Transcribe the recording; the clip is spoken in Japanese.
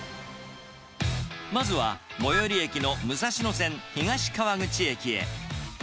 まずは、最寄り駅の武蔵野線東川口駅へ。